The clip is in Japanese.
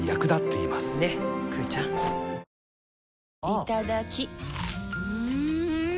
いただきっ！